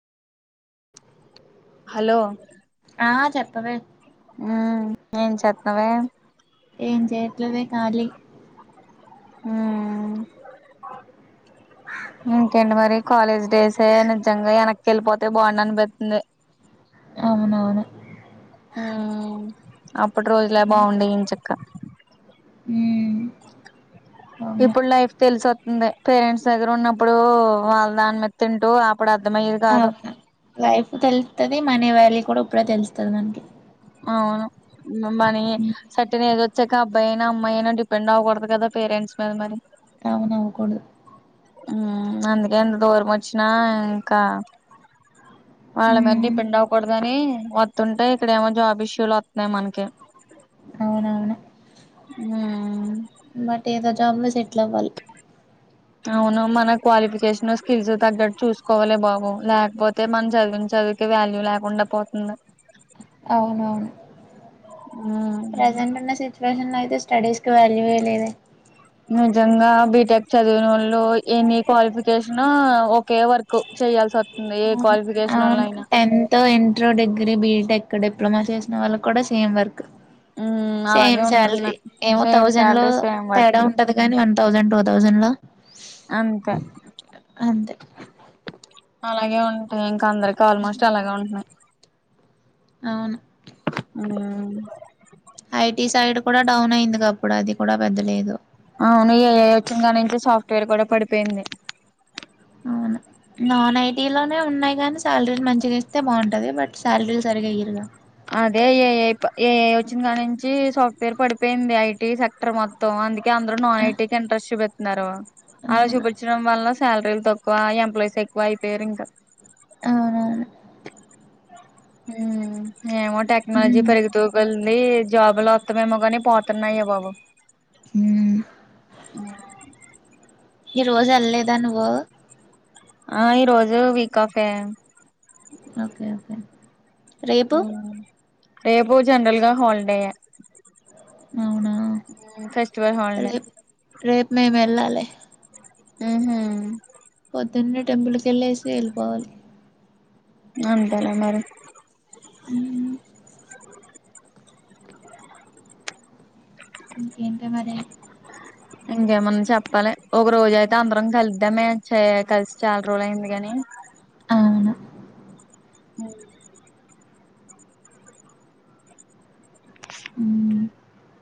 Hello ఆ చెప్పవే ఉమ్ ఏం చేత్నావే ఏం చేయట్లేదే ఖాలీ ఊమ్మ్ ఇంకేంటి మరి కాలేజ్ డేసే నిజంగా వెనక్కి వెళ్ళిపోతే బావుండనిపిత్ంది అవునవును ఉమ్మ్ అప్పుడు రోజులో బావుండేవి ఎంచక్క ఉమ్ అవును ఇప్పుడు లైఫ్ తెలిసి వత్తంది పేరెంట్స్ దగ్గర ఉన్నప్పుడు వాళ్ళ దాని మీద తింటూ అప్పుడు అర్థమయ్యేది కాదు [unintelligible] లైఫ్ తెలుత్తది మనీ వాల్యూ కూడా ప్పుడే తెలుస్తాది మనకి అవును ఉమ్ మని ఉమ్, సర్టేన్ ఏజ్ వచ్చాక అబ్బాయి అయినా అమ్మాయి అయినా డిపెండ్ అవ్వకూడదు కదా పేరెంట్స్ మీద మరి అవును అవ్వకూడదు ఉమ్మ్ అందుకే ఎంత దూరం వచ్చినా ఇంకా వాళ్ళ మీద ఉమ్ డిపెండ్ అవ్వకూడదని వస్తుంటే ఇక్కడేమో జాబ్ బిష్షు లొత్తున్నాయి మనకి అవునవును ఉమ్మ్ బట్ ఏదో జాబ్ లో సెటిల్ అవ్వాలి అవును మన క్వాలిఫికేషన్ స్కిల్స్ తగ్గట్టు చూసుకోవాలే బాబు లేకపోతే మనం చదివిన చదువుకే వాల్యూ లేకుండా పోతుంది ప్రెజెంట్ ఉన్న సిచ్యువేషన్ లో అయితే స్టడీస్ కి వాల్యూ ఏ లేదే నిజంగా బీటెక్ చదివినోళ్ళు ఎనీ క్వాలిఫికేషన్ ఒకే వర్క్ చేయాల్సి వత్తుంది ఏ అవును క్వాలిఫికేషన్ వాళ్ళయినా టెన్త్ ఇంటర్ డిగ్రీ బీటెక్ ఇక డిప్లొమా చేసిన వాళ్ళకి కూడా సేమ్ వర్ అలాగే సేమ్ సాలరీ ఉంటున్నాయి ఏమో సేమ్ థౌజండ్ లో శాలరీ సేమ్ తేడా వర్క్లు ఉంటది కానీ వన్ థౌజండ్ టూ థౌజండ్ లో అంతే అంతే అలాగే ఉంటాయి అందరికి ఆల్మోస్ట్ అలాగే ఉంటున్నాయి అవును ఉమ్మ్ ఈ సైడ్ కూడా డౌన్ అయింది గా అప్పుడు అది కూడా పెద్దలేదు అవునుయే వచ్చిన కా నుంచి సాఫ్ట్వేర్ కూడా పడిపోయింది అవును నాన్ ఐ టీ లోనే ఉన్నాయి గానీ శాలరీలు మంచిగా ఇస్తే బావుంటది బట్ శాలరీలు సరిగా ఈయరుగా అదే ఏ ఐ ఏ ఐ వచ్చినకా నుంచి సాఫ్ట్వేర్ పడిపోయింది ఐ టి సెక్టర్ మొత్తం అందు అందరూ నాన్ ఆ, ఐ టీ కి ఇంట్రస్ట్ చూపెట్ నరు ఆ అవును చూపిచ్చడం వల్లన శాలరీలు తక్కువ ఎంప్లాయీస్ ఎక్కువ అయిపోయారు ఇంక అవునవును హ్మ్ ఏమో టెక్నాలజీ ఉమ్ పరిగి తూకుల్ ఈ జాబులు మొత్తమేమో కాని పోతున్నాయి బాబు హ ఆఓ ఈ రోజు ఎల్ లేదా నువ్వు ఆ ఈరోజు వీక్ ఆఫ్ ఏ ఓకే ఓకే రేపు ఆ రేపు జనరల్గా హాలిడేయా అవునా హాలిడే రేపు రేపు మేము వెళ్ళాలి ముహూ పొద్దున్నే టెంపుల్ కెళ్ళేసి వెళ్ళిపోవాలి అంతేనా మరి ఉ [inaudible] ఇంకేంటి మరి ఇంకేమన్నా చెప్పాలి. ఒక రోజు అయితే అందరం కలిద్దామే చే కలిసి చాలా రోజు అయింది గాని అవును మ్ మ్